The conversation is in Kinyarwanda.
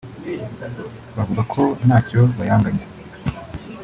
bavuga ko ntacyo bayanganya